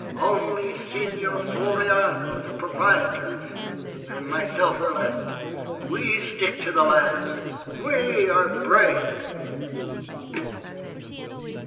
Only Signor Floriano, the proprietor, and myself are left. We stick to the last. We are brave."